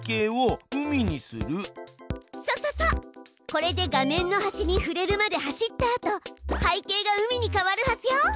これで画面の端に触れるまで走ったあと背景が海に変わるはずよ。